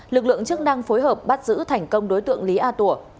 lực lượng chức năng phối hợp bắt giữ thành công đối tượng lý a tủa